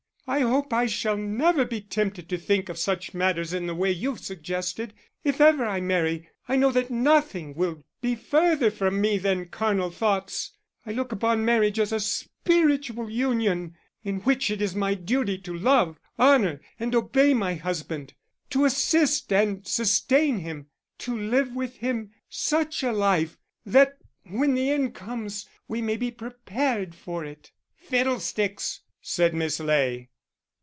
I hope I shall never be tempted to think of such matters in the way you've suggested. If ever I marry I know that nothing will be further from me than carnal thoughts. I look upon marriage as a spiritual union in which it is my duty to love, honour, and obey my husband, to assist and sustain him, to live with him such a life that when the end comes we may be prepared for it." "Fiddlesticks!" said Miss Ley.